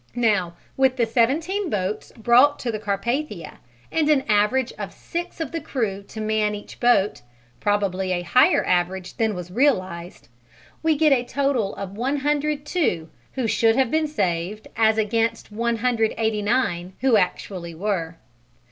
Now with the 17 boats brought to the Carpathia and an average of six of the crew to man each boat, probably a higher average than was realized, we get a total of 102 who should have been saved as against 189 who actually were.